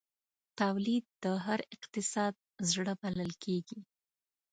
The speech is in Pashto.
تولید د هر اقتصاد زړه بلل کېږي.